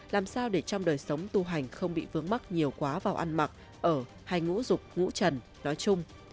làm sao để trong đời sống tu hành không bị vướng mắt nhiều quá vào ăn mặc ở hay ngũ dục ngũ trần nói chung